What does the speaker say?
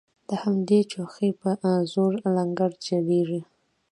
د همدې چوخې په زور لنګرچلیږي